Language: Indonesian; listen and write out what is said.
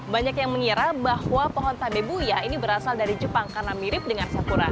banyak yang mengira bahwa pohon tabebuya ini berasal dari jepang karena mirip dengan sakura